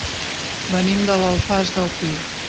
Venim de l'Alfàs del Pi.